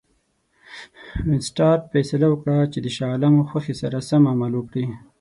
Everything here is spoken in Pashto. وینسیټارټ فیصله وکړه چې د شاه عالم خوښي سره سم عمل وکړي.